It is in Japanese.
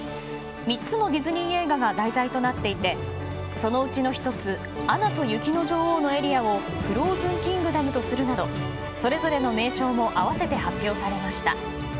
３つのディズニー映画が題材となっていてそのうちの１つ「アナと雪の女王」のエリアをフローズンキングダムとするなどそれぞれの名称も併せて発表されました。